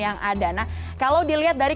yang ada nah kalau dilihat dari